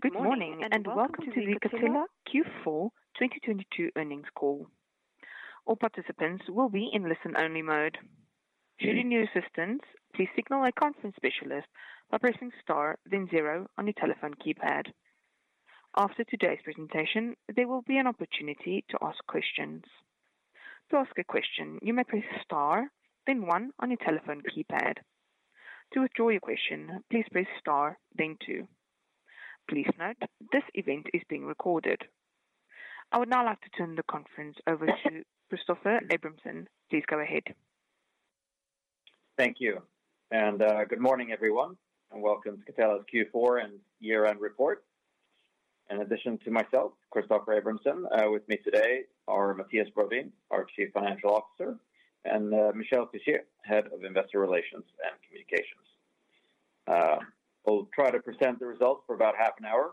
Good morning. Welcome to the Catella Q4 2022 Earnings Call. All participants will be in listen-only mode. Should you need assistance, please signal a conference specialist by pressing star, then zero on your telephone keypad. After today's presentation, there will be an opportunity to ask questions. To ask a question, you may press star, then one on your telephone keypad. To withdraw your question, please press star, then two. Please note this event is being recorded. I would now like to turn the conference over to Christoffer Abramson. Please go ahead. Thank you. Good morning, everyone, and welcome to Catella's Q4 and Year-End Report. In addition to myself, Christoffer Abramson, with me today are Mattias Brodin, our Chief Financial Officer, and Michel Fischier, Head of Investor Relations and Communications. We'll try to present the results for about half an hour,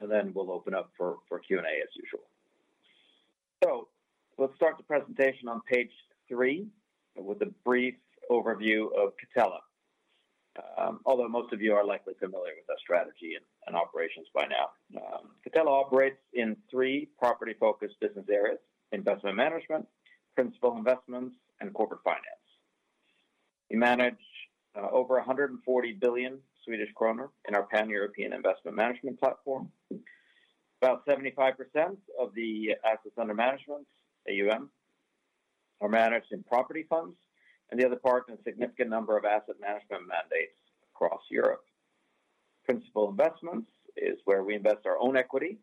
and then we'll open up for Q&A as usual. Let's start the presentation on page 3 with a brief overview of Catella. Although most of you are likely familiar with our strategy and operations by now. Catella operates in three property-focused business areas: Investment Management, Principal Investments, and Corporate Finance. We manage over 140 billion Swedish kronor in our Pan-European Investment Management platform. About 75% of the assets under management, AUM, are managed in property funds, and the other part in a significant number of asset management mandates across Europe. Principal Investments is where we invest our own equity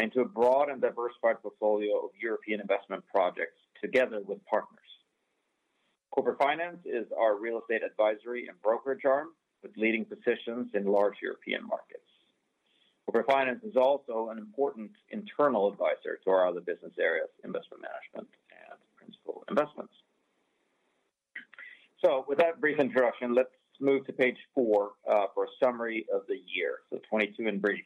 into a broad and diversified portfolio of European investment projects together with partners. Corporate Finance is our real estate advisory and brokerage arm with leading positions in large European markets. Corporate Finance is also an important internal advisor to our other business areas, Investment Management and Principal Investments. With that brief introduction, let's move to page 4 for a summary of the year. 2022 in brief.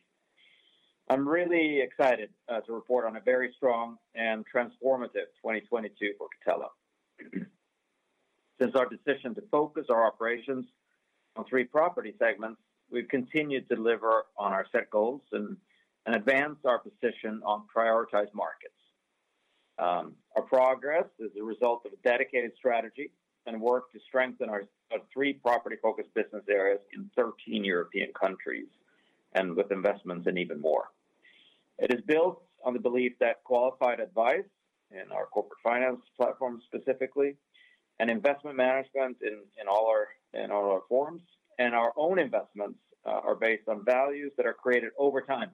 I'm really excited to report on a very strong and transformative 2022 for Catella. Since our decision to focus our operations on three property segments, we've continued to deliver on our set goals and advance our position on prioritized markets. Our progress is a result of a dedicated strategy and work to strengthen our three property-focused business areas in 13 European countries and with investments in even more. It is built on the belief that qualified advice in our Corporate Finance platform specifically and Investment Management in all our forms and our own investments are based on values that are created over time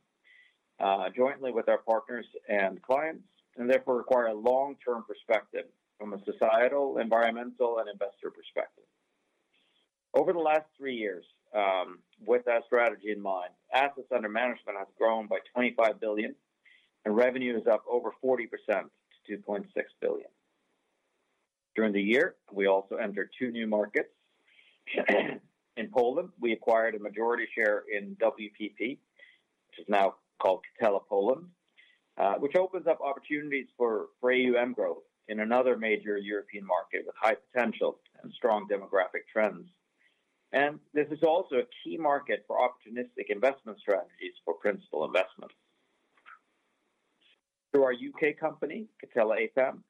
jointly with our partners and clients and therefore require a long-term perspective from a societal, environmental, and investor perspective. Over the last three years, with that strategy in mind, assets under management has grown by 25 billion, and revenue is up over 40% to 2.6 billion. During the year, we also entered two new markets. In Poland, we acquired a majority share in WPP, which is now called Catella Poland, which opens up opportunities for AUM growth in another major European market with high potential and strong demographic trends. This is also a key market for opportunistic investment strategies for Principal Investments. Through our U.K. company, Catella APAM,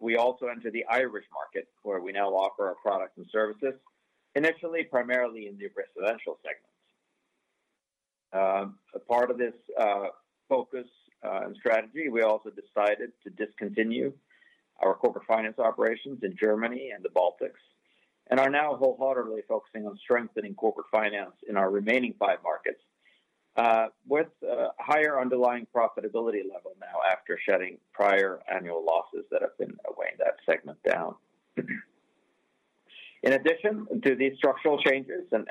we also enter the Irish market, where we now offer our products and services, initially, primarily in the residential segments. A part of this focus and strategy, we also decided to discontinue our Corporate Finance operations in Germany and the Baltics and are now wholeheartedly focusing on strengthening Corporate Finance in our remaining five markets with a higher underlying profitability level now after shedding prior annual losses that have been weighing that segment down. In addition to these structural changes and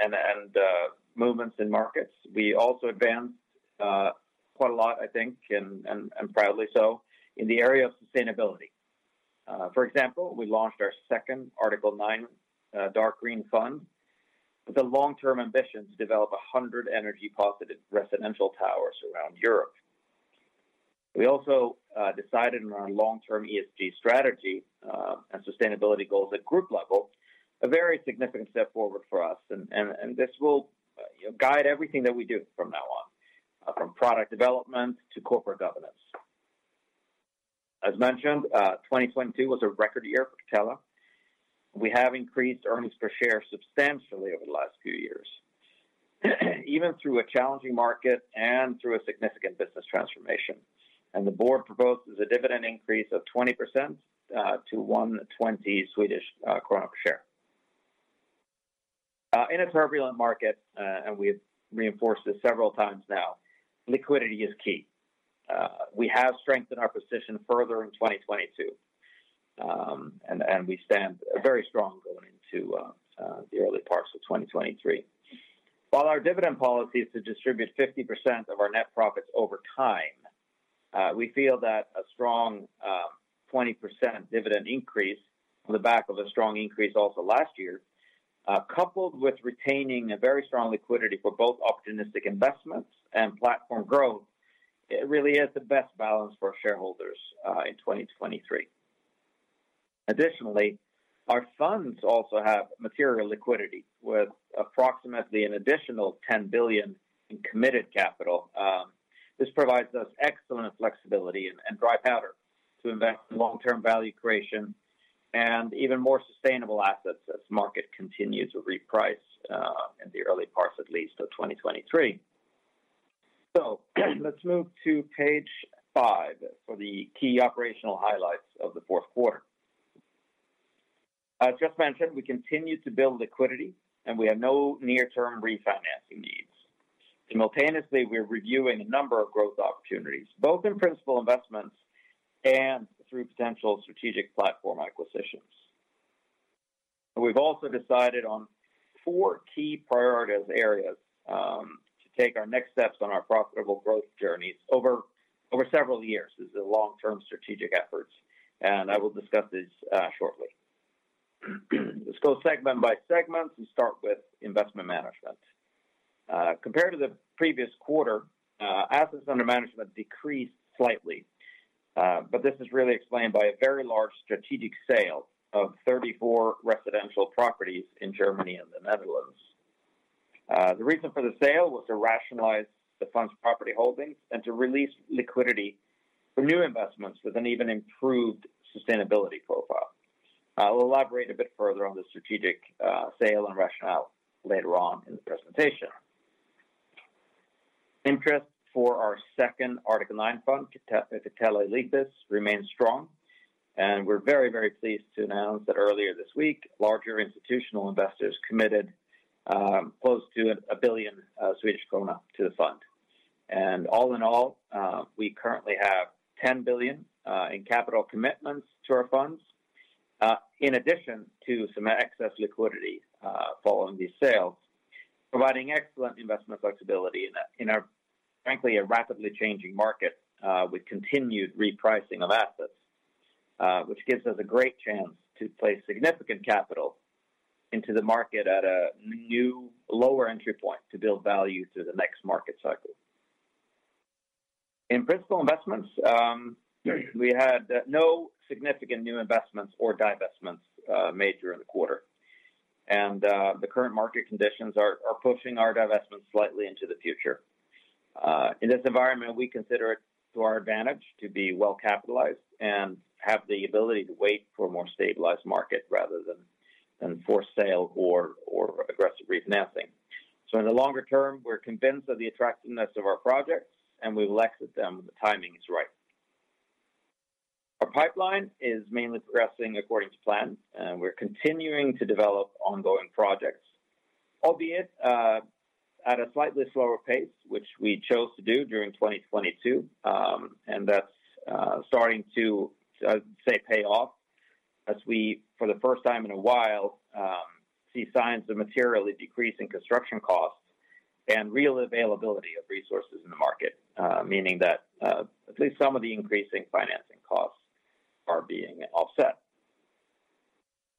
movements in markets, we also advanced quite a lot, I think, and proudly so, in the area of sustainability. For example, we launched our second Article 9 dark green fund with the long-term ambition to develop 100 energy-positive residential towers around Europe. We also decided on our long-term ESG strategy and sustainability goals at Group level, a very significant step forward for us. This will, you know, guide everything that we do from now on, from product development to corporate governance. As mentioned, 2022 was a record year for Catella. We have increased earnings per share substantially over the last few years, even through a challenging market and through a significant business transformation. The Board proposes a dividend increase of 20%, to 120 Swedish kronor per share. In a turbulent market, and we've reinforced this several times now, liquidity is key. We have strengthened our position further in 2022, and we stand very strong going into the early parts of 2023. While our dividend policy is to distribute 50% of our net profits over time, we feel that a strong 20% dividend increase on the back of a strong increase also last year, coupled with retaining a very strong liquidity for both opportunistic investments and platform growth, it really is the best balance for shareholders in 2023. Additionally, our funds also have material liquidity with approximately an additional 10 billion in committed capital. This provides us excellent flexibility and dry powder to invest in long-term value creation and even more sustainable assets as market continue to reprice in the early parts at least of 2023. Let's move to page 5 for the key operational highlights of the fourth quarter. As just mentioned, we continue to build liquidity, and we have no near-term refinancing needs. Simultaneously, we're reviewing a number of growth opportunities, both in Principal Investments and through potential strategic platform acquisitions. We've also decided on four key priorities areas to take our next steps on our profitable growth journeys over several years. This is a long-term strategic efforts, and I will discuss these shortly. Let's go segment by segment and start with Investment Management. Compared to the previous quarter, assets under management decreased slightly. This is really explained by a very large strategic sale of 34 residential properties in Germany and the Netherlands. The reason for the sale was to rationalize the fund's property holdings and to release liquidity for new investments with an even improved sustainability profile. I'll elaborate a bit further on the strategic sale and rationale later on in the presentation. Interest for our second Article 9 fund, Catella Leasis, remains strong. We're very, very pleased to announce that earlier this week, larger institutional investors committed close to 1 billion Swedish krona to the fund. All in all, we currently have 10 billion in capital commitments to our funds, in addition to some excess liquidity, following these sales, providing excellent investment flexibility in a, frankly, a rapidly changing market, with continued repricing of assets, which gives us a great chance to place significant capital into the market at a new lower entry point to build value through the next market cycle. In Principal Investments, we had no significant new investments or divestments made during the quarter. The current market conditions are pushing our divestments slightly into the future. In this environment, we consider it to our advantage to be well-capitalized and have the ability to wait for a more stabilized market rather than forced sale or aggressive refinancing. In the longer term, we're convinced of the attractiveness of our projects, and we will exit them when the timing is right. Our pipeline is mainly progressing according to plan, and we're continuing to develop ongoing projects, albeit at a slightly slower pace, which we chose to do during 2022, and that's starting to say pay off as we, for the first time in a while, see signs of materially decreasing construction costs and real availability of resources in the market, meaning that at least some of the increasing financing costs are being offset.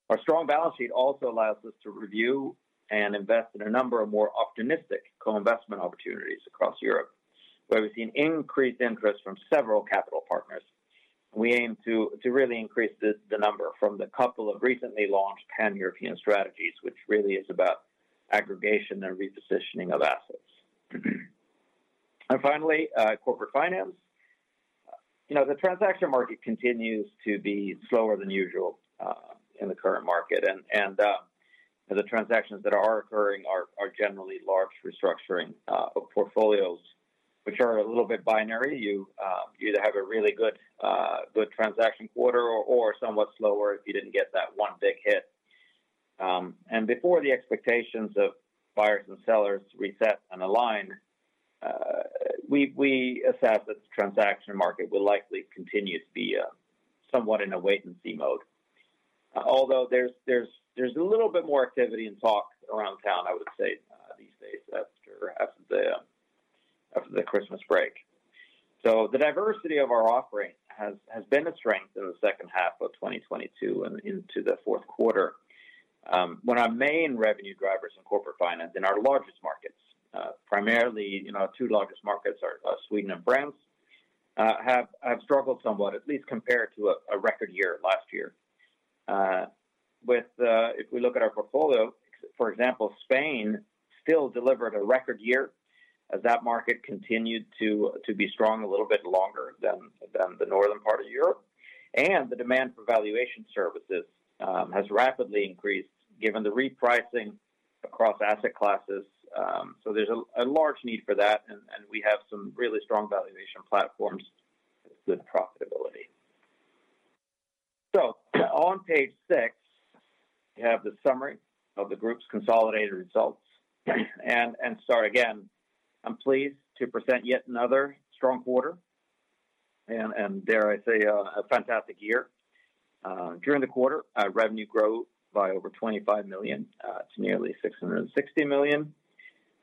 Our strong balance sheet also allows us to review and invest in a number of more optimistic co-investment opportunities across Europe, where we've seen increased interest from several capital partners. We aim to really increase the number from the couple of recently launched Pan-European strategies, which really is about aggregation and repositioning of assets. Finally, Corporate Finance. You know, the transaction market continues to be slower than usual in the current market and the transactions that are occurring are generally large restructuring of portfolios which are a little bit binary. You either have a really good transaction quarter or somewhat slower if you didn't get that one big hit. Before the expectations of buyers and sellers reset and align, we assess that the transaction market will likely continue to be somewhat in a wait-and-see mode. Although there's a little bit more activity and talk around town, I would say, these days after the Christmas break. The diversity of our offering has been a strength in the second half of 2022 and into the fourth quarter. One of our main revenue drivers in Corporate Finance in our largest markets, primarily, you know, our two largest markets are Sweden and France, have struggled somewhat, at least compared to a record year last year. If we look at our portfolio, for example, Spain still delivered a record year as that market continued to be strong a little bit longer than the northern part of Europe. The demand for valuation services has rapidly increased given the repricing across asset classes. There's a large need for that, and we have some really strong valuation platforms with profitability. On page 6, you have the summary of the group's consolidated results. Again, I'm pleased to present yet another strong quarter and dare I say, a fantastic year. During the quarter, our revenue grew by over 25 million to nearly 660 million.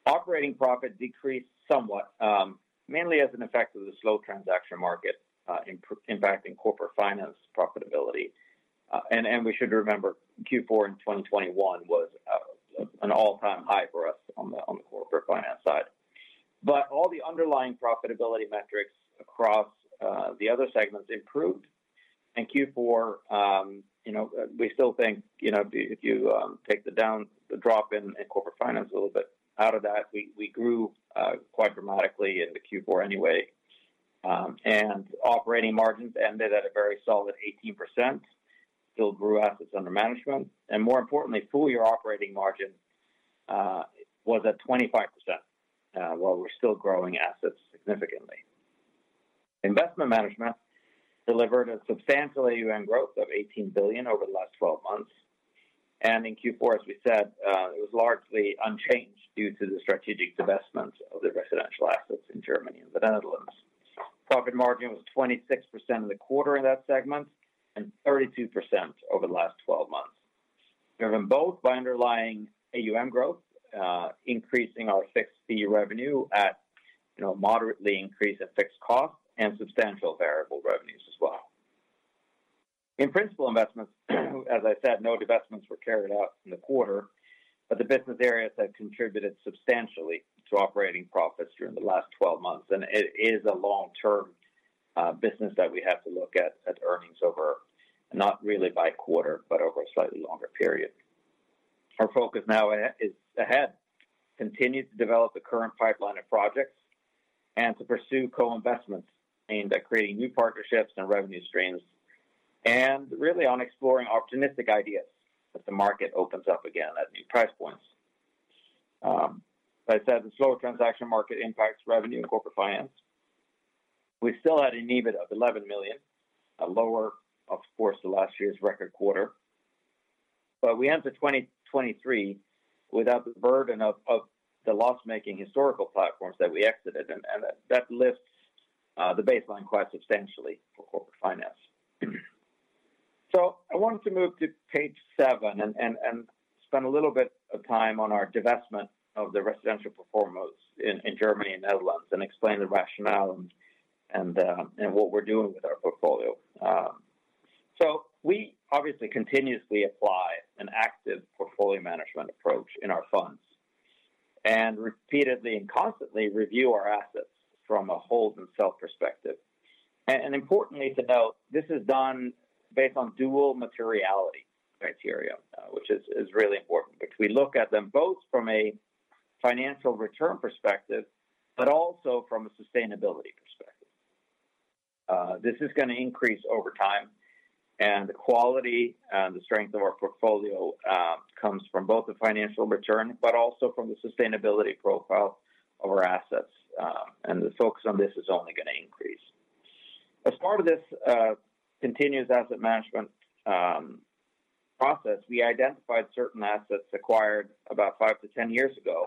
Operating profit decreased somewhat, mainly as an effect of the slow transaction market impacting Corporate Finance profitability. We should remember Q4 in 2021 was an all-time high for us on the Corporate Finance side. All the underlying profitability metrics across the other segments improved. In Q4, you know, we still think, you know, if you take the drop in Corporate Finance a little bit out of that, we grew quite dramatically into Q4 anyway. Operating margins ended at a very solid 18%, still grew assets under management, and more importantly, full year operating margin was at 25%, while we're still growing assets significantly. Investment management delivered a substantial AUM growth of 18 billion over the last twelve months. In Q4, as we said, it was largely unchanged due to the strategic divestment of the residential assets in Germany and the Netherlands. Profit margin was 26% of the quarter in that segment and 32% over the last twelve months. Driven both by underlying AUM growth, increasing our fixed fee revenue at, you know, moderately increase in fixed costs and substantial variable revenues as well. In Principal Investments, as I said, no divestments were carried out in the quarter, but the business areas have contributed substantially to operating profits during the last 12 months, and it is a long-term business that we have to look at as earnings over not really by quarter, but over a slightly longer period. Our focus now is ahead, continue to develop the current pipeline of projects and to pursue co-investments aimed at creating new partnerships and revenue streams, and really on exploring opportunistic ideas as the market opens up again at new price points. As I said, the slower transaction market impacts revenue and Corporate Finance. We still had an EBIT of 11 million, a lower of course to last year's record quarter. We enter 2023 without the burden of the loss-making historical platforms that we exited, and that lifts the baseline quite substantially for Corporate Finance. I wanted to move to page 7 and spend a little bit of time on our divestment of the residential performance in Germany and Netherlands and explain the rationale and what we're doing with our portfolio. We obviously continuously apply an active portfolio management approach in our funds and repeatedly and constantly review our assets from a hold and sell perspective. Importantly to note, this is done based on double materiality criteria, which is really important because we look at them both from a financial return perspective, but also from a sustainability perspective. This is gonna increase over time, and the quality and the strength of our portfolio comes from both the financial return, but also from the sustainability profile of our assets. The focus on this is only gonna increase. As part of this, continuous asset management process, we identified certain assets acquired about five-10 years ago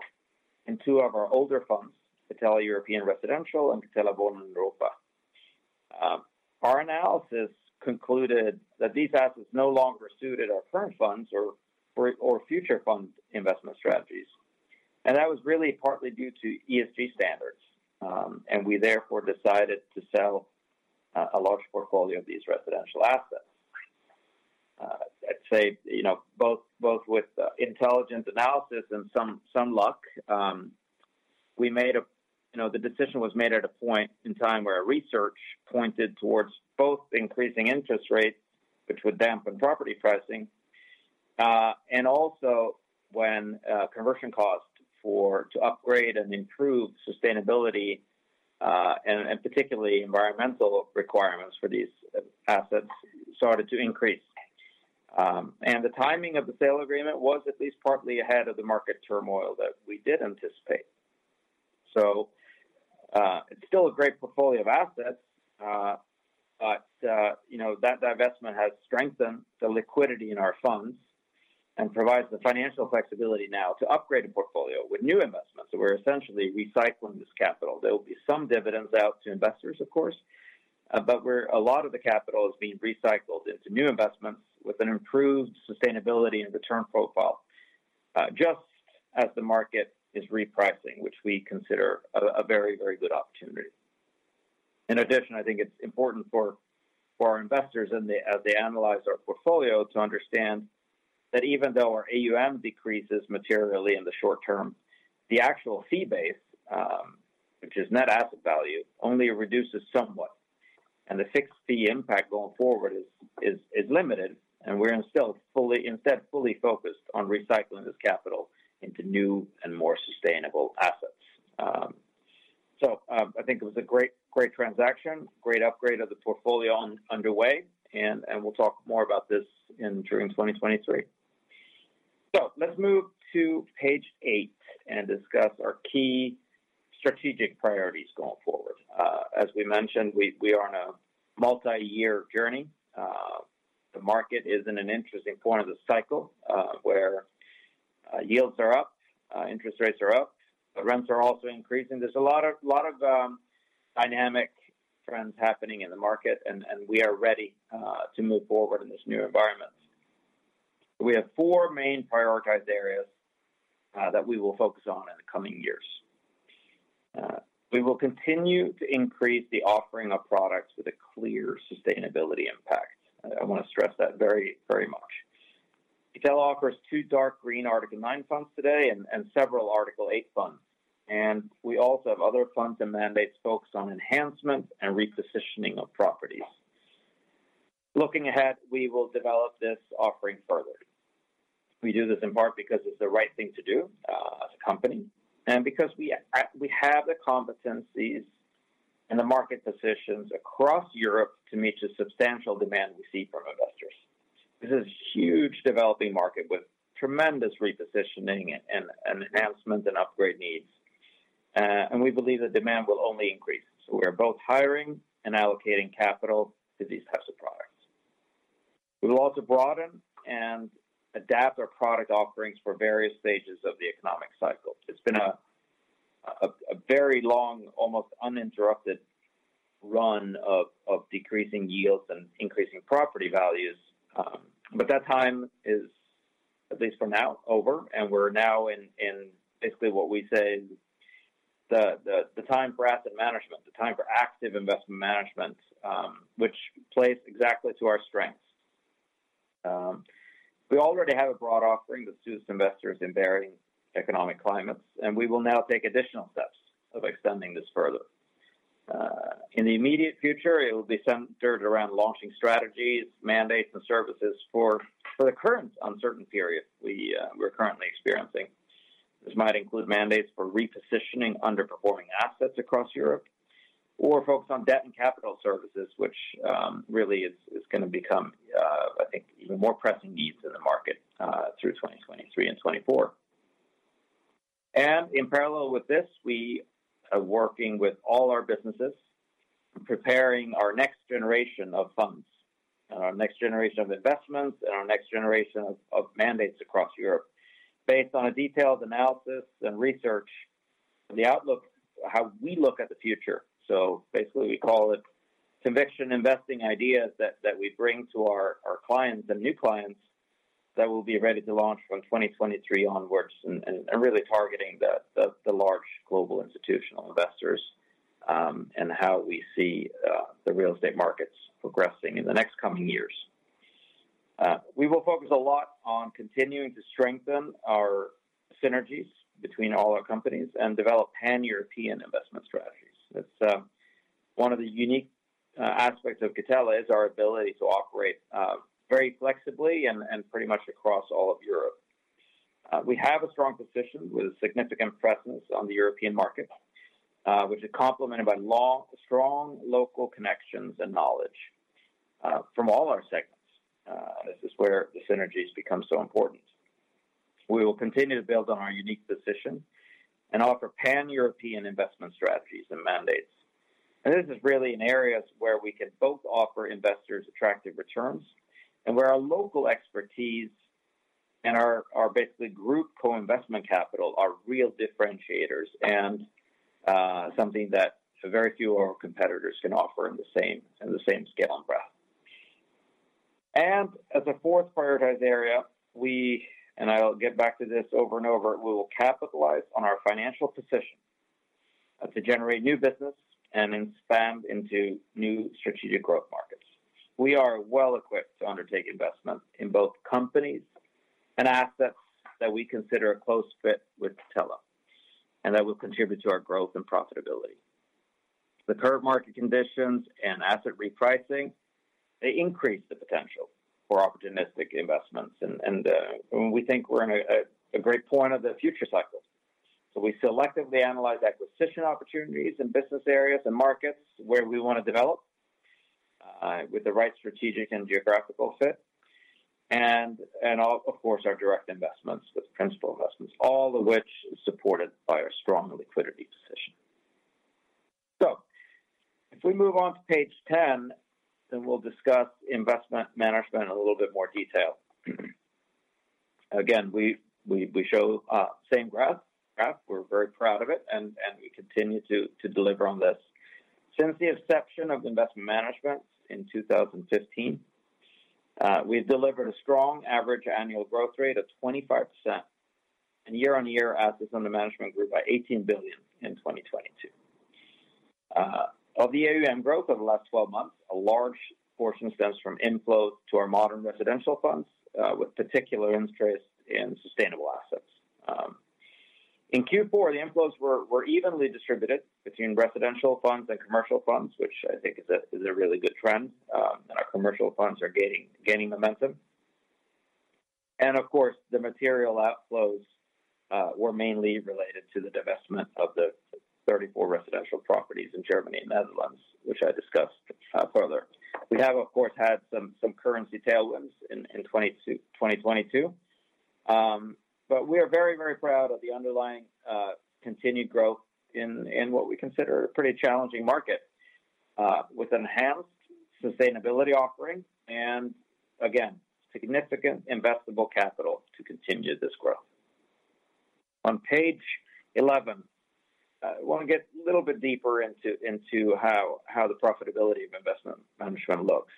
in two of our older funds, Catella European Residential and Catella Wohnen Europa. Our analysis concluded that these assets no longer suited our current funds or future fund investment strategies. That was really partly due to ESG standards, and we therefore decided to sell a large portfolio of these residential assets. I'd say, you know, with intelligent analysis and some luck, the decision was made at a point in time where our research pointed towards both increasing interest rates, which would dampen property pricing, and also when conversion costs to upgrade and improve sustainability, and particularly environmental requirements for these assets started to increase. The timing of the sale agreement was at least partly ahead of the market turmoil that we did anticipate. It's still a great portfolio of assets, but, you know, that divestment has strengthened the liquidity in our funds and provides the financial flexibility now to upgrade the portfolio with new investments. We're essentially recycling this capital. There will be some dividends out to investors, of course, a lot of the capital is being recycled into new investments with an improved sustainability and return profile, just as the market is repricing, which we consider a very good opportunity. In addition, I think it's important for our investors as they analyze our portfolio, to understand that even though our AUM decreases materially in the short term, the actual fee base, which is net asset value, only reduces somewhat. The fixed fee impact going forward is limited, and we're instead fully focused on recycling this capital into new and more sustainable assets. I think it was a great transaction, great upgrade of the portfolio underway, and we'll talk more about this during 2023. Let's move to page 8 and discuss our key strategic priorities going forward. As we mentioned, we are on a multi-year journey. The market is in an interesting point of the cycle, where yields are up, interest rates are up, rents are also increasing. There's a lot of dynamic trends happening in the market, and we are ready to move forward in this new environment. We have four main prioritized areas that we will focus on in the coming years. We will continue to increase the offering of products with a clear sustainability impact. I want to stress that very much. Catella offers two dark green Article 9 funds today and several Article 8 funds. We also have other funds and mandates focused on enhancement and repositioning of properties. Looking ahead, we will develop this offering further. We do this in part because it's the right thing to do, as a company, and because we have the competencies and the market positions across Europe to meet the substantial demand we see from investors. This is a huge developing market with tremendous repositioning and enhancement and upgrade needs. We believe the demand will only increase. We are both hiring and allocating capital to these types of products. We will also broaden and adapt our product offerings for various stages of the economic cycle. It's been a very long, almost uninterrupted run of decreasing yields and increasing property values. That time is, at least for now, over, and we're now in basically what we say is the time for asset management, the time for active Investment Management, which plays exactly to our strengths. In the immediate future, it will be centered around launching strategies, mandates, and services for the current uncertain period we're currently experiencing. This might include mandates for repositioning underperforming assets across Europe or focus on debt and capital services, which really is gonna become, I think even more pressing needs in the market, through 2023 and 2024. In parallel with this, we are working with all our businesses, preparing our next generation of funds, and our next generation of investments, and our next generation of mandates across Europe based on a detailed analysis and research of the outlook, how we look at the future. Basically, we call it conviction investing ideas that we bring to our clients and new clients that will be ready to launch from 2023 onwards and really targeting the large global institutional investors, and how we see the real estate markets progressing in the next coming years. We will focus a lot on continuing to strengthen our synergies between all our companies and develop pan-European investment strategies. That's one of the unique aspects of Catella is our ability to operate very flexibly and pretty much across all of Europe. We have a strong position with a significant presence on the European market, which is complemented by long, strong local connections and knowledge from all our segments. This is where the synergies become so important. We will continue to build on our unique position and offer pan-European investment strategies and mandates. This is really an area where we can both offer investors attractive returns and where our local expertise and our basically group co-investment capital are real differentiators and something that very few of our competitors can offer in the same scale and breadth. As a fourth prioritized area, we... and I'll get back to this over and over, we will capitalize on our financial position, to generate new business and expand into new strategic growth markets. We are well-equipped to undertake investment in both companies and assets that we consider a close fit with Catella, and that will contribute to our growth and profitability. The current market conditions and asset repricing, they increase the potential for opportunistic investments. We think we're in a great point of the future cycle. We selectively analyze acquisition opportunities in business areas and markets where we wanna develop, with the right strategic and geographical fit and of course, our direct investments with Principal Investments, all of which is supported by our strong liquidity position. If we move on to page 10, we'll discuss Investment Management in a little bit more detail. Again, we show same graph. We're very proud of it and we continue to deliver on this. Since the inception of Investment Management in 2015, we've delivered a strong average annual growth rate of 25%. Year-on-year assets under management grew by 18 billion in 2022. Of the AUM growth over the last 12 months, a large portion stems from inflows to our modern residential funds, with particular interest in sustainable assets. In Q4, the inflows were evenly distributed between residential funds and commercial funds, which I think is a really good trend that our commercial funds are gaining momentum. Of course, the material outflows were mainly related to the divestment of the 34 residential properties in Germany and Netherlands, which I discussed further. We have, of course, had some currency tailwinds in 2022. We are very, very proud of the underlying continued growth in what we consider a pretty challenging market with enhanced sustainability offering and again, significant investable capital to continue this growth. On page 11, I wanna get a little bit deeper into how the profitability of Investment Management looks.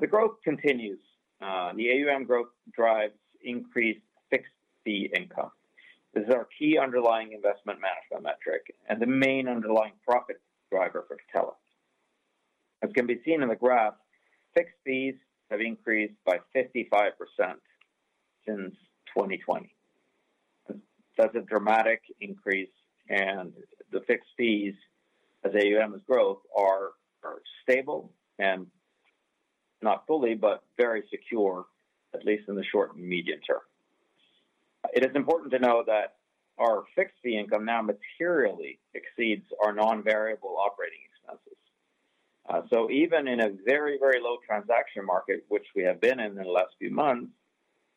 The growth continues. The AUM growth drives increased fixed fee income. This is our key underlying Investment Management metric and the main underlying profit driver for Catella. As can be seen in the graph, fixed fees have increased by 55% since 2020. That's a dramatic increase, the fixed fees as AUMs growth are stable and not fully, but very secure, at least in the short and medium term. It is important to know that our fixed fee income now materially exceeds our non-variable operating expenses. Even in a very, very low transaction market, which we have been in the last few months,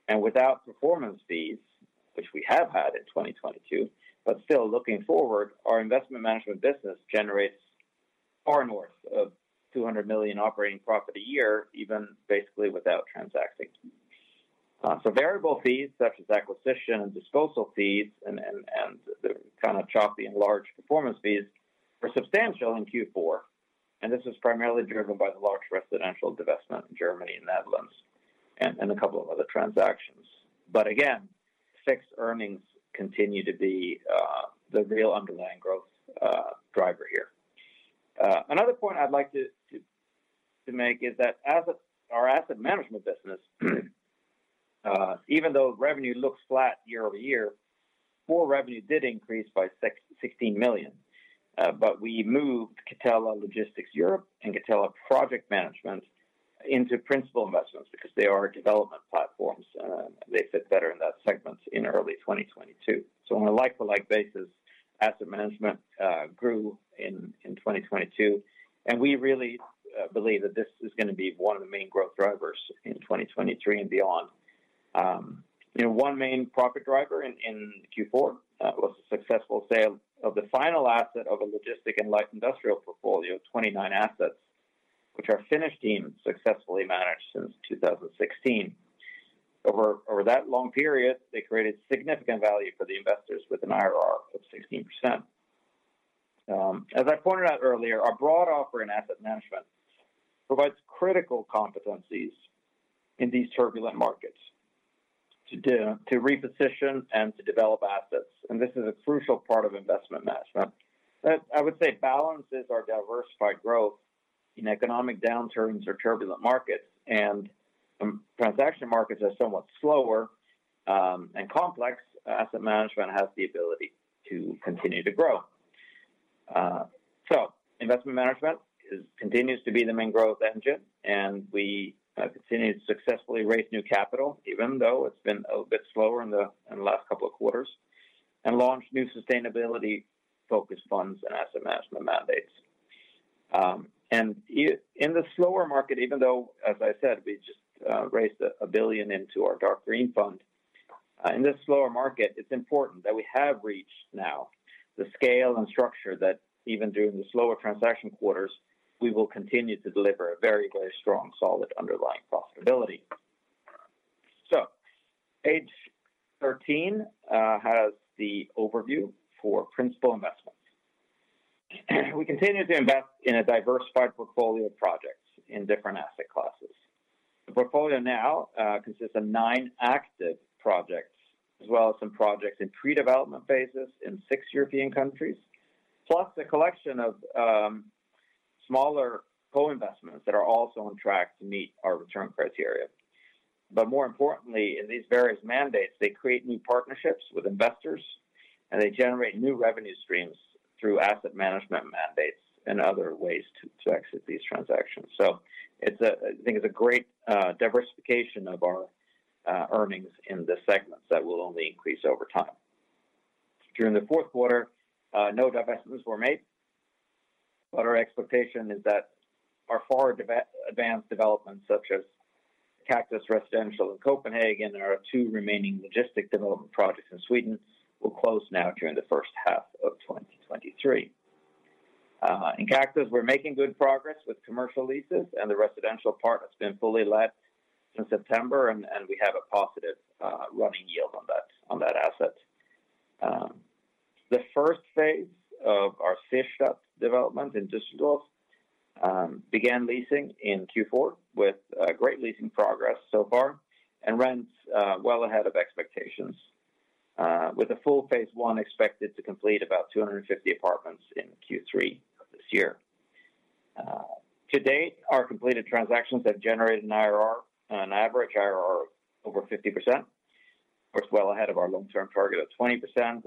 and without performance fees, which we have had in 2022, but still looking forward, our Investment Management business generates far north of 200 million operating profit a year, even basically without transacting. Variable fees such as acquisition and disposal fees and the kind of choppy and large performance fees are substantial in Q4, and this is primarily driven by the large residential divestment in Germany and Netherlands and a couple of other transactions. Again, fixed earnings continue to be the real underlying growth driver here. Another point I'd like to make is that as of our asset management business, even though revenue looks flat year-over-year, core revenue did increase by 16 million. We moved Catella Logistic Europe and Catella Project Management into Principal Investments because they are development platforms. They fit better in that segment in early 2022. On a like-for-like basis, asset management grew in 2022, and we really believe that this is gonna be one of the main growth drivers in 2023 and beyond. You know, one main profit driver in Q4 was the successful sale of the final asset of a logistic and light industrial portfolio of 29 assets, which our Finnish team successfully managed since 2016. Over that long period, they created significant value for the investors with an IRR of 16%. As I pointed out earlier, our broad offer in asset management provides critical competencies in these turbulent markets to reposition and to develop assets. This is a crucial part of Investment Management. That I would say balances our diversified growth in economic downturns or turbulent markets, transaction markets are somewhat slower, and complex asset management has the ability to continue to grow. Investment Management continues to be the main growth engine, and we continue to successfully raise new capital, even though it's been a bit slower in the last couple of quarters, and launch new sustainability-focused funds and asset management mandates. In the slower market, even though, as I said, we just raised a 1 billion into our dark green fund. In this slower market, it's important that we have reached now the scale and structure that even during the slower transaction quarters, we will continue to deliver a very, very strong, solid underlying profitability. Page 13 has the overview for Principal Investments. We continue to invest in a diversified portfolio of projects in different asset classes. The portfolio now consists of nine active projects, as well as some projects in pre-development phases in six European countries, plus a collection of smaller co-investments that are also on track to meet our return criteria. More importantly, in these various mandates, they create new partnerships with investors, and they generate new revenue streams through asset management mandates and other ways to exit these transactions. I think it's a great diversification of our earnings in the segments that will only increase over time. During the fourth quarter, no divestments were made, but our expectation is that our far advanced developments, such as Kaktus Towers in Copenhagen and our two remaining logistic development projects in Sweden, will close now during the first half of 2023. In Kaktus, we're making good progress with commercial leases, and the residential part has been fully let since September, and we have a positive running yield on that asset. The first phase of our Ferskt development in Düsseldorf began leasing in Q4 with great leasing progress so far and rents well ahead of expectations with the full phase I expected to complete about 250 apartments in Q3 of this year. To date, our completed transactions have generated an IRR, an average IRR of over 50%. Of course, well ahead of our long-term target of 20%.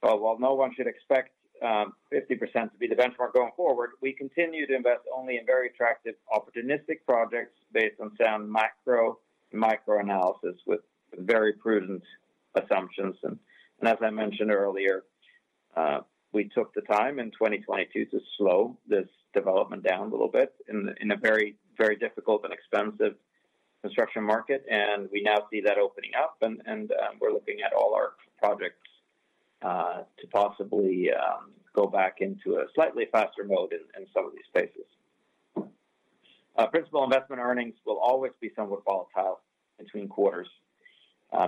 While no one should expect 50% to be the benchmark going forward, we continue to invest only in very attractive opportunistic projects based on sound macro and micro analysis with very prudent assumptions. As I mentioned earlier, we took the time in 2022 to slow this development down a little bit in a very, very difficult and expensive construction market, and we now see that opening up, and we're looking at all our projects to possibly go back into a slightly faster mode in some of these phases. Principal Investment earnings will always be somewhat volatile between quarters,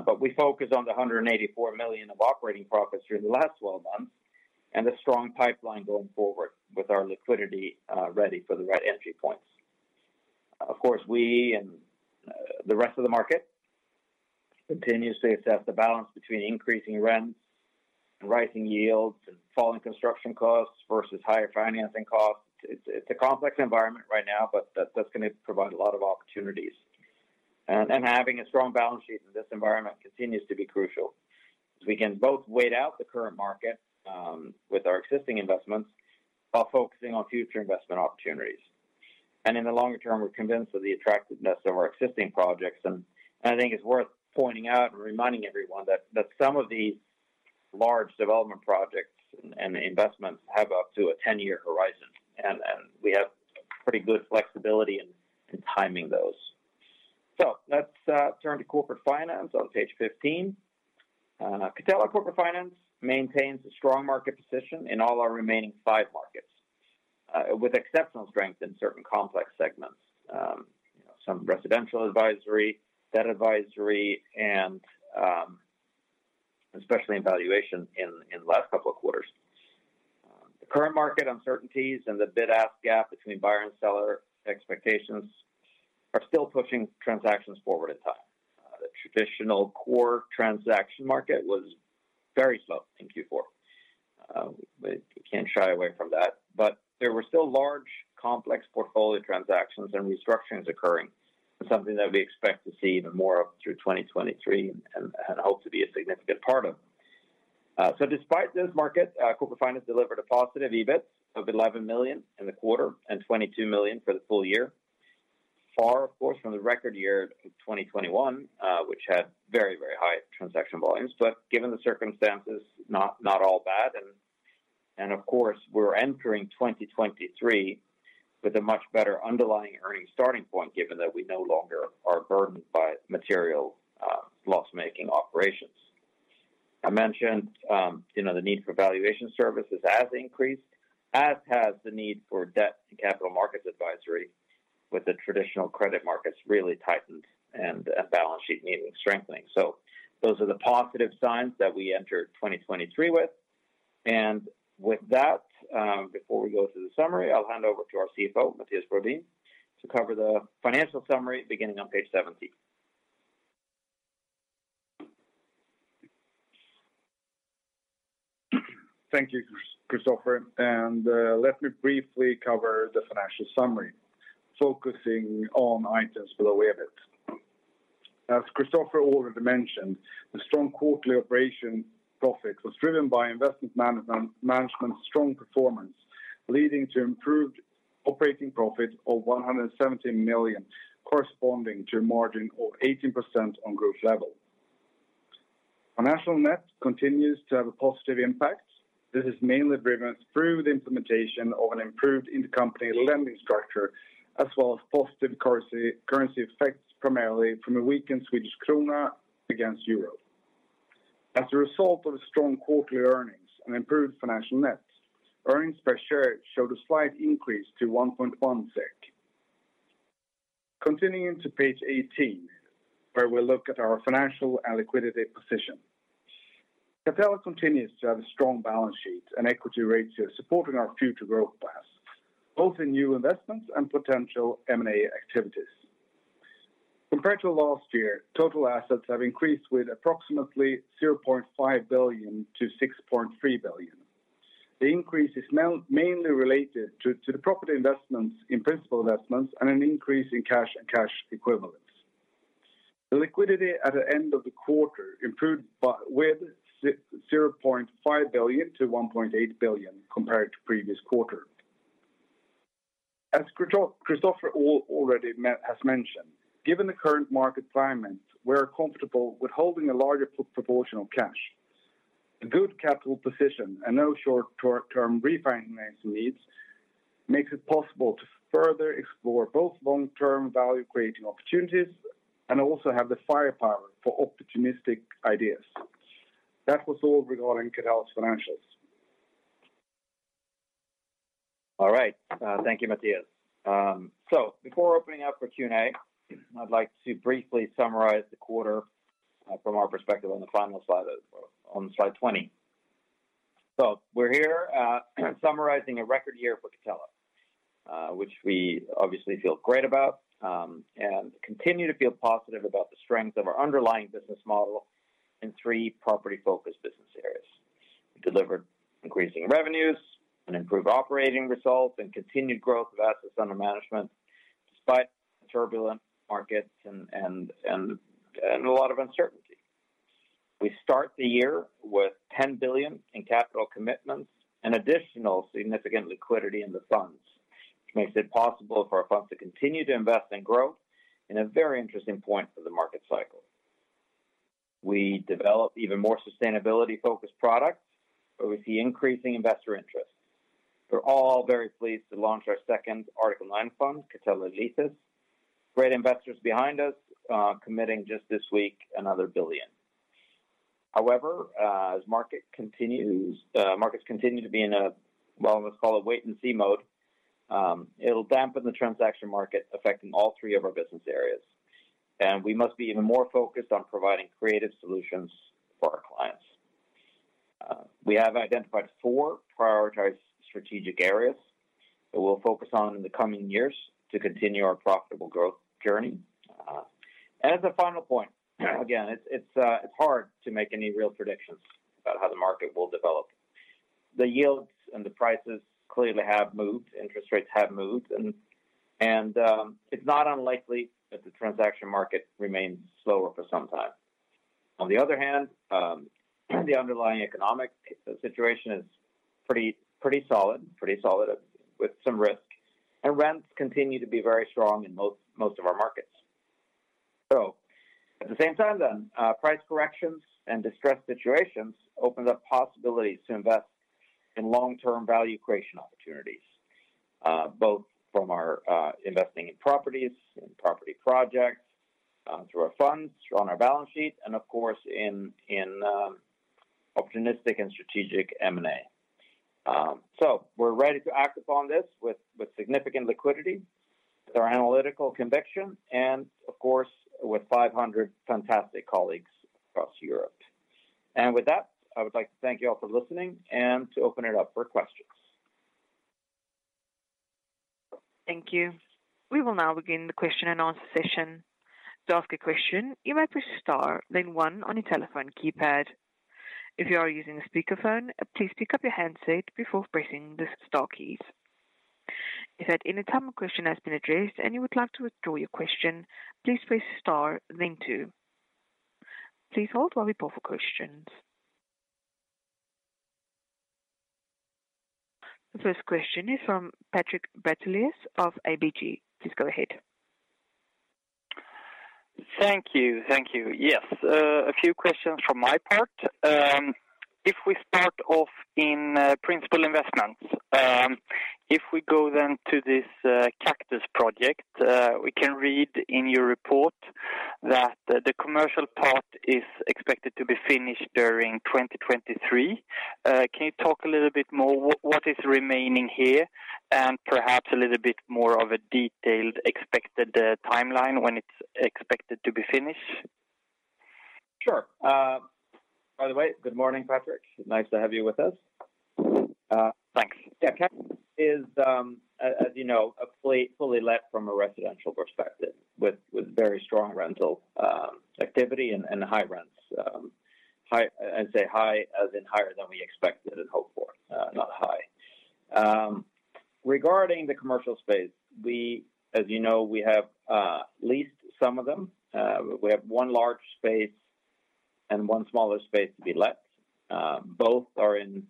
but we focus on the 184 million of operating profits during the last 12 months and the strong pipeline going forward with our liquidity ready for the right entry points. Of course, we and the rest of the market continues to assess the balance between increasing rents and rising yields and falling construction costs versus higher financing costs. It's a complex environment right now, but that's gonna provide a lot of opportunities. Having a strong balance sheet in this environment continues to be crucial as we can both wait out the current market with our existing investments while focusing on future investment opportunities. In the longer term, we're convinced of the attractiveness of our existing projects. I think it's worth pointing out and reminding everyone that some of these large development projects and investments have up to a 10-year horizon, and we have pretty good flexibility in timing those. Let's turn to Corporate Finance on page 15. Catella Corporate Finance maintains a strong market position in all our remaining five markets, with exceptional strength in certain complex segments, you know, some residential advisory, debt advisory, and especially in valuation in the last couple of quarters. The current market uncertainties and the bid-ask gap between buyer and seller expectations are still pushing transactions forward in time. The traditional core transaction market was very slow in Q4. We can't shy away from that. There were still large complex portfolio transactions and restructurings occurring, something that we expect to see even more of through 2023 and hope to be a significant part of. Despite this market, Corporate Finance delivered a positive EBIT of 11 million in the quarter and 22 million for the full year. Far, of course, from the record year of 2021, which had very, very high transaction volumes. Given the circumstances, not all bad. Of course, we're entering 2023 with a much better underlying earnings starting point, given that we no longer are burdened by material loss-making operations. I mentioned, you know, the need for valuation services has increased, as has the need for debt to capital markets advisory with the traditional credit markets really tightened and balance sheet needing strengthening. Those are the positive signs that we enter 2023 with. With that, before we go through the summary, I'll hand over to our CFO, Mattias Brodin, to cover the financial summary beginning on page 17. Thank you, Christoffer, let me briefly cover the financial summary, focusing on items below EBIT. As Christoffer already mentioned, the strong quarterly operation profits was driven by Investment Management's strong performance, leading to improved operating profit of 117 million, corresponding to a margin of 18% on growth level. Financial net continues to have a positive impact. This is mainly driven through the implementation of an improved intercompany lending structure, as well as positive currency effects, primarily from a weakened Swedish krona against euro. As a result of the strong quarterly earnings and improved financial net, earnings per share showed a slight increase to 1.1 SEK. Continuing to page 18, where we look at our financial and liquidity position. Catella continues to have a strong balance sheet and equity ratio, supporting our future growth path, both in new investments and potential M&A activities. Compared to last year, total assets have increased with approximately 0.5 billion to 6.3 billion. The increase is mainly related to the property investments in Principal Investments and an increase in cash and cash equivalents. The liquidity at the end of the quarter improved with 0.5 billion to 1.8 billion compared to previous quarter. As Christoffer has mentioned, given the current market climate, we're comfortable with holding a larger proportion of cash. A good capital position and no short-term refinancing needs makes it possible to further explore both long-term value-creating opportunities and also have the firepower for opportunistic ideas. That was all regarding Catella's financials. All right. Thank you, Mattias. Before opening up for Q&A, I'd like to briefly summarize the quarter from our perspective on the final slide, on slide 20. We're here summarizing a record year for Catella, which we obviously feel great about, and continue to feel positive about the strength of our underlying business model in three property-focused business areas. We delivered increasing revenues and improved operating results and continued growth of assets under management despite turbulent markets and a lot of uncertainty. We start the year with 10 billion in capital commitments and additional significant liquidity in the funds, which makes it possible for our funds to continue to invest and grow in a very interesting point for the market cycle. We developed even more sustainability-focused products, where we see increasing investor interest. We're all very pleased to launch our second Article 9 fund, Catella Leasis. Great investors behind us, committing just this week another 1 billion. However, as markets continue to be in a, well, let's call it wait and see mode, it'll dampen the transaction market affecting all three of our business areas, and we must be even more focused on providing creative solutions for our clients. We have identified four prioritized strategic areas that we'll focus on in the coming years to continue our profitable growth journey. As a final point, again, it's hard to make any real predictions about how the market will develop. The yields and the prices clearly have moved, interest rates have moved, and, it's not unlikely that the transaction market remains slower for some time. On the other hand, the underlying economic situation is pretty solid with some risk. Rents continue to be very strong in most of our markets. At the same time, price corrections and distressed situations opens up possibilities to invest in long-term value creation opportunities, both from our investing in properties, in property projects, through our funds, on our balance sheet, and of course, in opportunistic and strategic M&A. We're ready to act upon this with significant liquidity, with our analytical conviction, and of course, with 500 fantastic colleagues across Europe. With that, I would like to thank you all for listening and to open it up for questions. Thank you. We will now begin the question and answer session. To ask a question, you may push star then one on your telephone keypad. If you are using a speakerphone, please pick up your handset before pressing the star keys. If at any time a question has been addressed and you would like to withdraw your question, please press star then two. Please hold while we pull for questions. The first question is from Patrik Brattelius of ABG. Please go ahead. Thank you. Thank you. A few questions from my part. If we start off in Principal Investments, if we go to this Kaktus project, we can read in your report that the commercial part is expected to be finished during 2023. Can you talk a little bit more what is remaining here and perhaps a little bit more of a detailed expected timeline when it's expected to be finished? Sure. By the way, good morning, Patrik. Nice to have you with us. Thanks. Kaktus is, as you know, a fully let from a residential perspective with very strong rental activity and high rents. I say high as in higher than we expected and hoped for, not high. Regarding the commercial space, we, as you know, we have leased some of them. We have one large space and one smaller space to be let. Both are in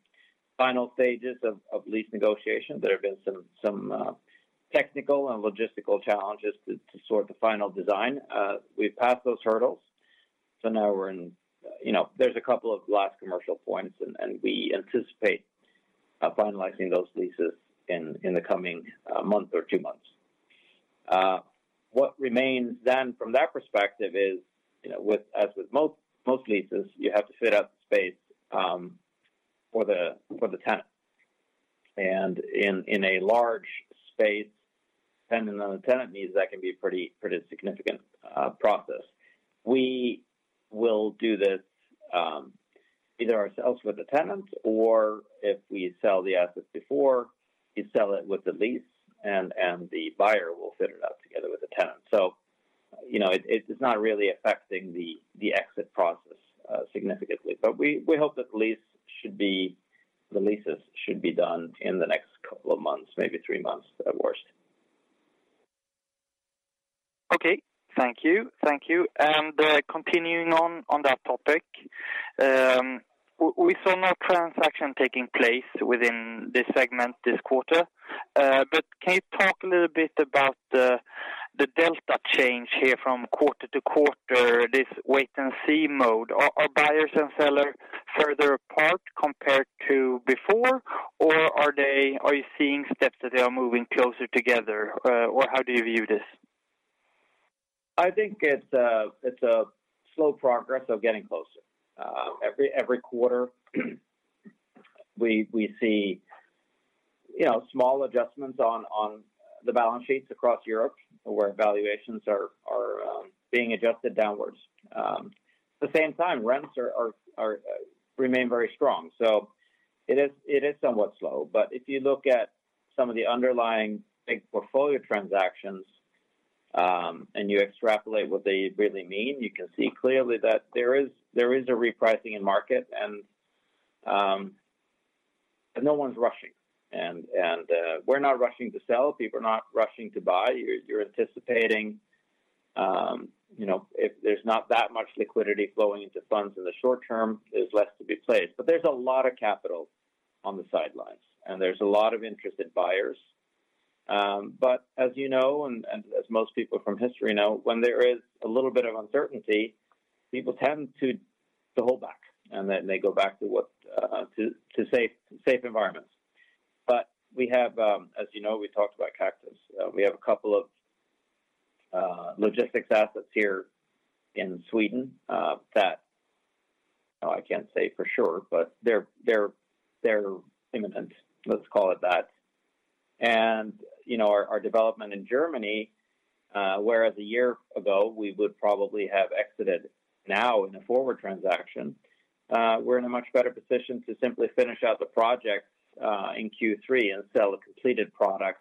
final stages of lease negotiations. There have been some technical and logistical challenges to sort the final design. We've passed those hurdles, so now we're in, you know, there's a couple of last commercial points and we anticipate finalizing those leases in the coming month or two months. What remains then from that perspective is, you know, as with most leases, you have to fit out the space for the tenant. In, in a large space, depending on the tenant needs, that can be a pretty significant process. We will do this either ourselves with the tenants or if we sell the assets before we sell it with the lease and the buyer will fit it out together with the tenant. You know, it's not really affecting the exit process significantly. We, we hope that the leases should be done in the next couple of months, maybe three months at worst. Okay. Thank you. Continuing on that topic, we saw no transaction taking place within this segment this quarter. Can you talk a little bit about the delta change here from quarter to quarter, this wait and see mode? Are buyers and sellers further apart compared to before or are you seeing steps that they are moving closer together? Or how do you view this? I think it's a slow progress of getting closer. Every quarter we see, you know, small adjustments on the balance sheets across Europe where valuations are being adjusted downwards. At the same time, rents remain very strong. It is somewhat slow. If you look at some of the underlying big portfolio transactions, and you extrapolate what they really mean, you can see clearly that there is a repricing in market and no one's rushing. We're not rushing to sell. People are not rushing to buy. You're anticipating, you know, if there's not that much liquidity flowing into funds in the short term, there's less to be placed. There's a lot of capital on the sidelines, and there's a lot of interested buyers. As you know, and as most people from history know, when there is a little bit of uncertainty, people tend to hold back, and then they go back to safe environments. We have, as you know, we talked about Kaktus. We have a couple of logistics assets here in Sweden that I can't say for sure, but they're imminent, let's call it that. You know, our development in Germany, whereas a year ago we would probably have exited now in a forward transaction, we're in a much better position to simply finish out the project in Q3 and sell a completed product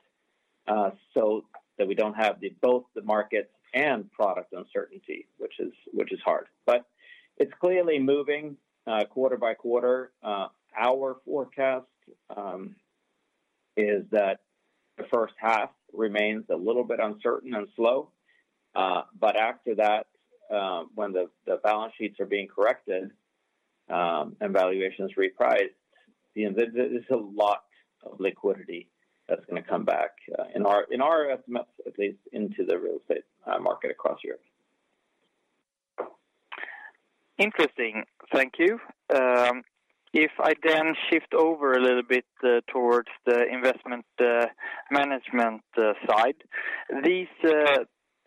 so that we don't have both the market and product uncertainty, which is hard. It's clearly moving quarter by quarter. Our forecast is that the first half remains a little bit uncertain and slow. After that, when the balance sheets are being corrected and valuations repriced, you know, there's a lot of liquidity that's gonna come back in our estimates, at least into the real estate market across Europe. Interesting. Thank you. If I then shift over a little bit, towards the Investment Management, side. These,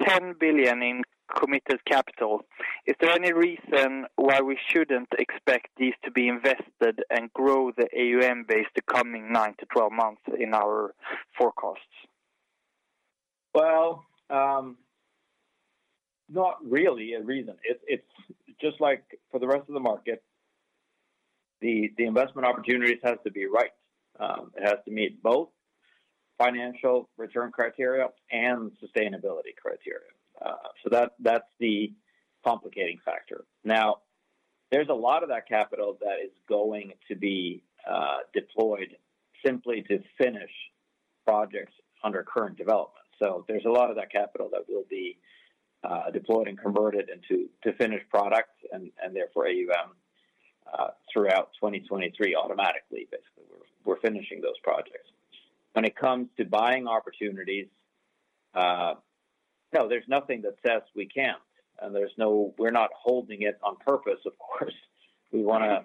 10 billion in committed capital, is there any reason why we shouldn't expect these to be invested and grow the AUM base the coming nine to 12 months in our forecasts? Well, not really a reason. It's just like for the rest of the market, the investment opportunities has to be right. It has to meet both financial return criteria and sustainability criteria. That's the complicating factor. Now, there's a lot of that capital that is going to be deployed simply to finish projects under current development. There's a lot of that capital that will be deployed and converted into finished products and therefore AUM throughout 2023 automatically, basically. We're finishing those projects. When it comes to buying opportunities, no, there's nothing that says we can't. There's no... We're not holding it on purpose, of course. We wanna...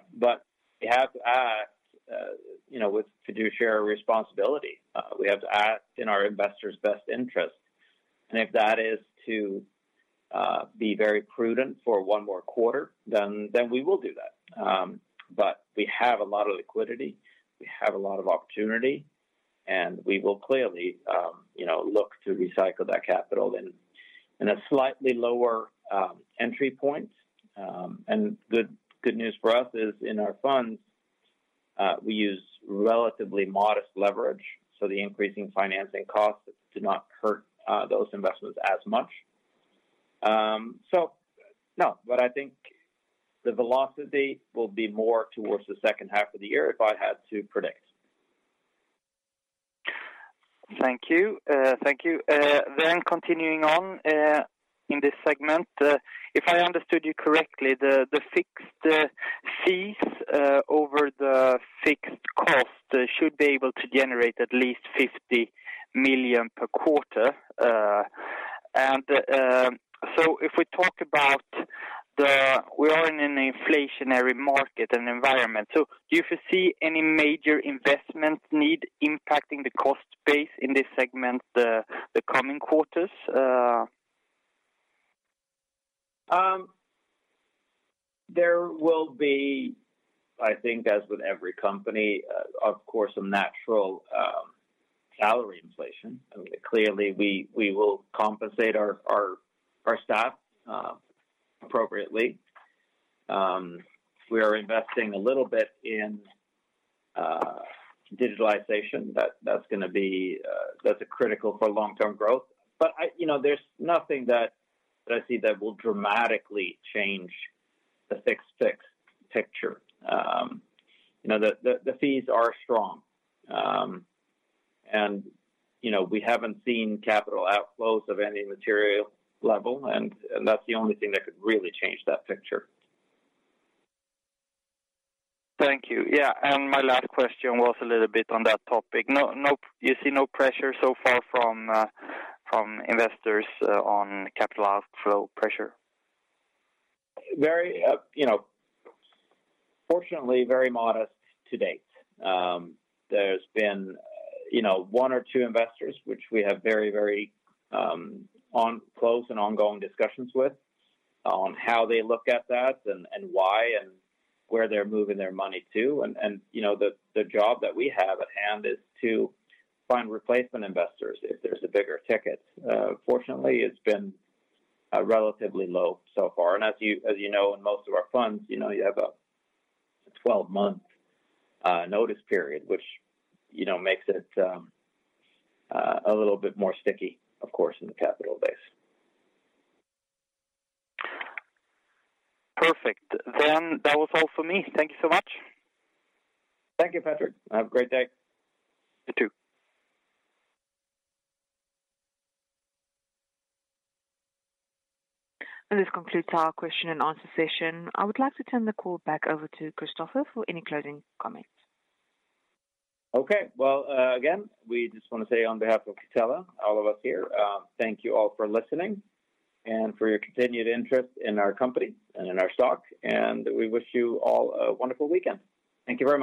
We have to act, you know, with fiduciary responsibility. We have to act in our investors' best interest. If that is to be very prudent for one more quarter, then we will do that. We have a lot of liquidity, we have a lot of opportunity, and we will clearly, you know, look to recycle that capital in a slightly lower entry point. Good news for us is in our funds, we use relatively modest leverage, so the increasing financing costs do not hurt those investments as much. No, but I think the velocity will be more towards the second half of the year if I had to predict. Thank you. Thank you. Continuing on in this segment. If I understood you correctly, the fixed fees over the fixed cost should be able to generate at least 50 million per quarter. If we talk about, we are in an inflationary market and environment. Do you foresee any major investment need impacting the cost base in this segment, the coming quarters? There will be, I think as with every company, of course, a natural salary inflation. I mean, clearly we will compensate our staff appropriately. We are investing a little bit in digitalization that's gonna be that's a critical for long-term growth. You know, there's nothing that I see that will dramatically change the fixed fee picture. You know, the fees are strong. You know, we haven't seen capital outflows of any material level, and that's the only thing that could really change that picture. Thank you. Yeah. My last question was a little bit on that topic. No, you see no pressure so far from investors on capital outflow pressure? Very, you know. Fortunately, very modest to date. There's been, you know, one or two investors which we have very, very close and ongoing discussions with on how they look at that and why and where they're moving their money to. You know, the job that we have at hand is to find replacement investors if there's a bigger ticket. Fortunately, it's been relatively low so far. As you, as you know, in most of our funds, you know, you have a 12-month notice period, which, you know, makes it a little bit more sticky, of course, in the capital base. Perfect. That was all for me. Thank you so much. Thank you, Patrick. Have a great day. You too. This concludes our question and answer session. I would like to turn the call back over to Kristoffer for any closing comments. Okay. Well, again, we just wanna say on behalf of Catella, all of us here, thank you all for listening and for your continued interest in our company and in our stock. We wish you all a wonderful weekend. Thank you very much.